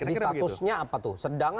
jadi statusnya apa tuh sedang atau ringan